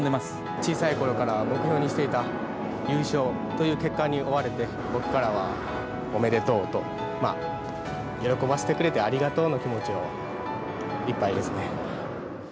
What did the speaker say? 小さいころから目標にしていた、優勝という結果に終われて、僕からはおめでとうと、喜ばせてくれてありがとうの気持ちでいっぱいですね。